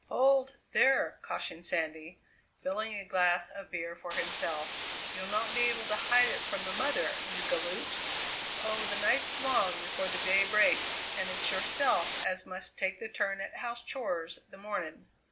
"Hold, there!" cautioned Sandy, filling a glass of beer for himself; "you'll not be able to hide it from the mother, you galoot." "Oh, the night's long before the day breaks, and it's yourself as must take the turn at house chores the morning."